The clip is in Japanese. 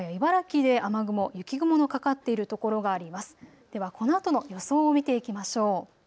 では、このあとの予想を見ていきましょう。